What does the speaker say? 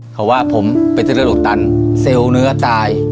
เขาว่าผมเป็นเส้นเลือดอุดตันเซลล์เนื้อตาย